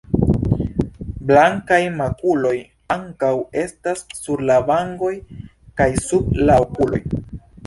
Blankaj makuloj ankaŭ estas sur la vangoj kaj sub la okuloj.